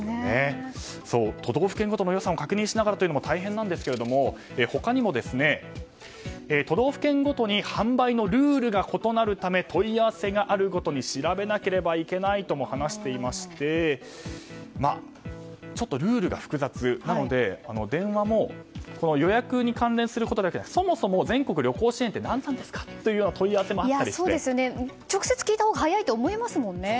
都道府県ごとの予算を確認しながらというのも大変なんですが他にも、都道府県ごとに販売のルールが異なるため問い合わせがあるごとに調べなければいけないとも話していましてちょっとルールが複雑なので電話も予約に関連することだけじゃなくそもそも全国旅行支援って何なんですかという直接聞いたほうが早いと思いますもんね。